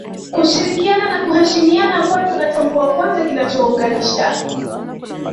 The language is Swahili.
Kushirikiana na kuheshimiana kwani Wanatambua kwanza kinachowaunganisha